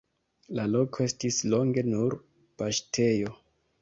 La loko estis longe nur paŝtejo.